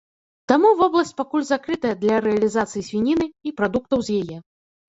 Таму вобласць пакуль закрытая для рэалізацыі свініны і прадуктаў з яе.